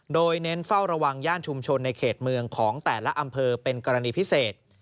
โดยเน้นเฝ้าระวังย่านชุมชนในเขตเมืองของแต่ละอำเภอเป็นกรณีพิเศษ